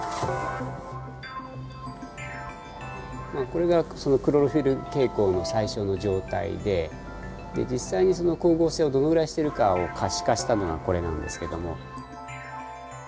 これがクロロフィル蛍光の最初の状態でで実際に光合成をどのぐらいしてるかを可視化したのがこれなんですけども。